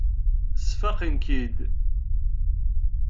Sfaqen-k-id.